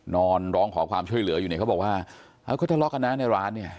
ร้องขอความช่วยเหลืออยู่เนี่ยเขาบอกว่าเอ้าก็ทะเลาะกันนะในร้านเนี่ย